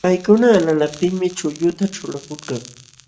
Paykuna alalaptinmi chulluta ćhulakulka.